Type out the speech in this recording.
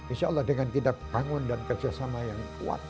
insya allah dengan kita bangun dan kerjasama yang kuat